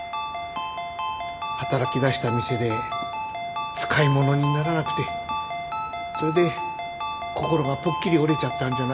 働きだした店で使い物にならなくてそれで心がポッキリ折れちゃったんじゃないのか。